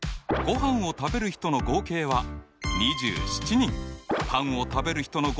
パンを食べる人の合計は２５人。